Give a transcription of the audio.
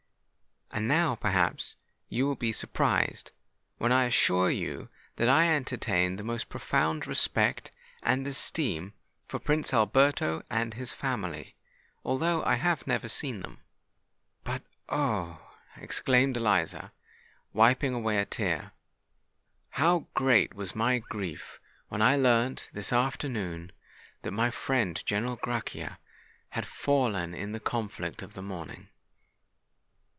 And now, perhaps, you will be surprised, when I assure you that I entertain the most profound respect and esteem for Prince Alberto and his family—although I have never seen them. But, oh!" exclaimed Eliza, wiping away a tear, "how great was my grief when I learnt, this afternoon, that my friend General Grachia had fallen in the conflict of the morning!"